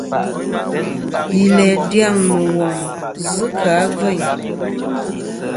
Yi læ dyaŋ mùghom zɨ kɨ̀ a gveyn.